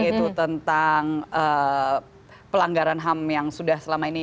begitu tentang pelanggaran ham yang sudah selama ini